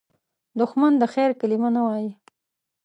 دښمن د خیر کلمه نه وايي